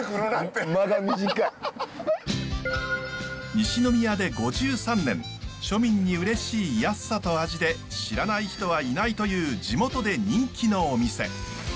西宮で５３年庶民にうれしい安さと味で知らない人はいないという地元で人気のお店。